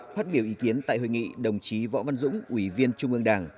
phát biểu ý kiến tại hội nghị đồng chí võ văn dũng ủy viên trung ương đảng